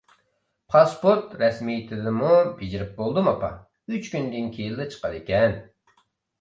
پاسپورت رەسمىيىتىنىمۇ بېجىرىپ بولدۇم ئاپا، ئۈچ كۈندىن كېيىنلا چىقىدىكەن.